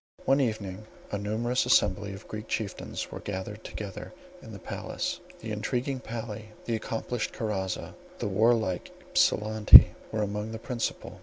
One evening a numerous assembly of Greek chieftains were gathered together in the palace. The intriguing Palli, the accomplished Karazza, the warlike Ypsilanti, were among the principal.